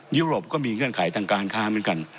ยุโรปก็มีเงื่อนไขทางการค้าเหมือนกัน